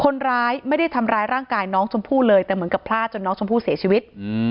คนร้ายไม่ได้ทำร้ายร่างกายน้องชมพู่เลยแต่เหมือนกับพลาดจนน้องชมพู่เสียชีวิต